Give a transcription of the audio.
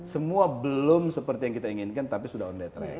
semua belum seperti yang kita inginkan tapi sudah on the track